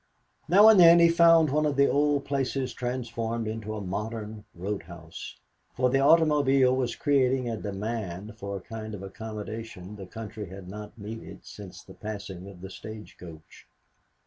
Now and then he found one of the old places transformed into a modern road house, for the automobile was creating a demand for a kind of accommodation the country had not needed since the passing of the stage coach.